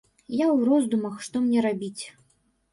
Я ў роздумах, што мне рабіць.